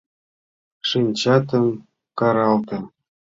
Шинчатым каралте!..